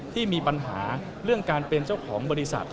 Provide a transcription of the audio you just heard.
ที่มีปัญหาเรื่องการเป็นเจ้าของบริษัท